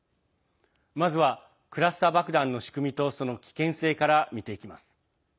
まずはクラスター爆弾の仕組みとその危険性から見ていきます。